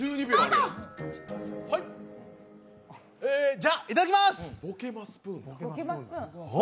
じゃ、いただきます！